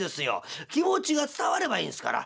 気持ちが伝わればいいんですから。